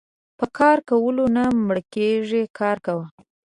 په کار کولو نه مړکيږي کار کوه .